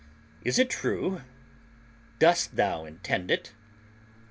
Is it true, dost thou intend it?"